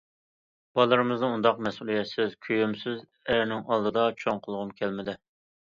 بالىلىرىمنى ئۇنداق مەسئۇلىيەتسىز، كۆيۈمسىز ئەرنىڭ ئالدىدا چوڭ قىلغۇم كەلمىدى.